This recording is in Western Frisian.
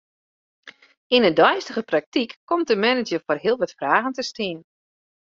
Yn 'e deistige praktyk komt de manager foar heel wat fragen te stean.